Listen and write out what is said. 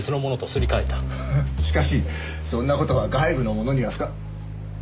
フフしかしそんな事は外部の者には不可。